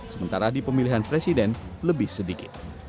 sementara di pemilihan presiden lebih sedikit